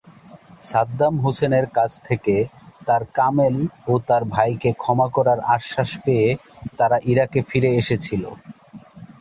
সাদ্দাম হুসেনের কাছ থেকে তার কামেল ও তার ভাইকে ক্ষমা করার আশ্বাস পেয়ে তারা ইরাকে ফিরে এসেছিল।